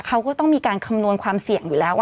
เขาก็ต้องมีการคำนวณความเสี่ยงอยู่แล้ว